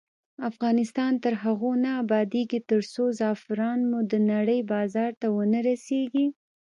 افغانستان تر هغو نه ابادیږي، ترڅو زعفران مو د نړۍ بازار ته ونه رسیږي.